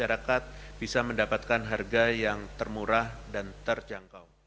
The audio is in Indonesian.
masyarakat bisa mendapatkan harga yang termurah dan terjangkau